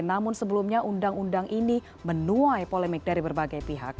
namun sebelumnya undang undang ini menuai polemik dari berbagai pihak